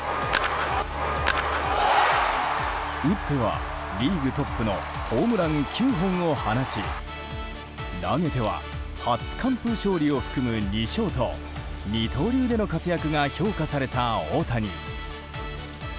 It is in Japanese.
打っては、リーグトップのホームラン９本を放ち投げては初完封勝利を含む２勝と二刀流での活躍が評価された大谷。